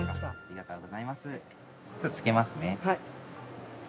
はい。